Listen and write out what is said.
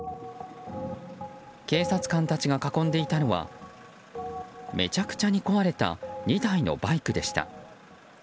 警察官たちが囲んでいたのはめちゃくちゃに壊れた２台のバイクでした。